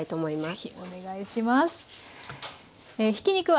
ぜひお願いします。